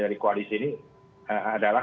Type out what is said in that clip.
dari koalis ini adalah